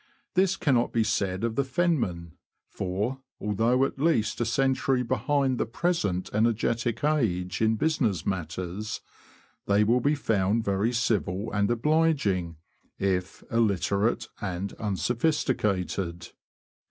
This cannot be said of the fenmen, for, although at least a century behind the present energetic age in business matters, they will be found very civil and obliging, if illiterate and unsophisticated.